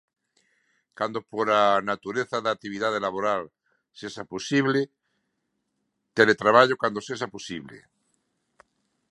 Cando pola natureza da actividade laboral sexa posible, teletraballo cando sexa posible.